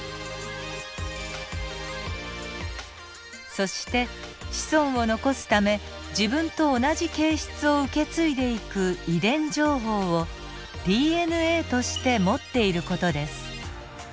そして子孫を残すため自分と同じ形質を受け継いでいく遺伝情報をＤＮＡとして持っている事です。